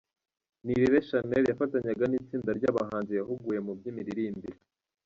Nirere Shanel yafatanyaga n'itsinda ry'abahanzi yahuguye mu by'imiririmbire.